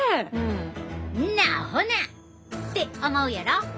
んなアホなって思うやろ。